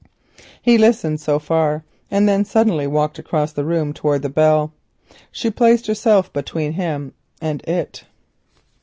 He listened so far, and then suddenly walked across the room towards the bell. She placed herself between him and it.